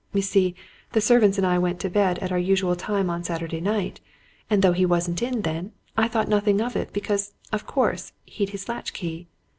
You see, the servants and I went to bed at our usual time on Saturday night, and though he wasn't in then, I thought nothing of it, because, of course, he'd his latch key.